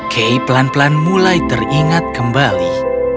kay pelan pelan mulai teringat kembali